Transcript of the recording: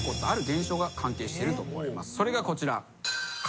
それがこちら。